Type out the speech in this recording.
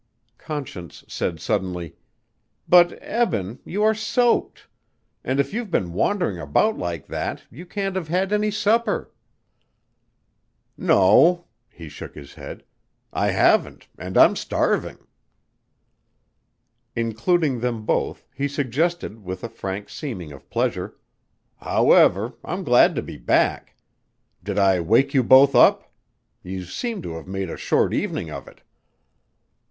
Conscience said suddenly: "But, Eben, you are soaked and if you've been wandering about like that, you can't have had any supper." "No," he shook his head. "I haven't and I'm starving." Including them both, he suggested with a frank seeming of pleasure. "However, I'm glad to be back. Did I wake you both up? You seem to have made a short evening of it."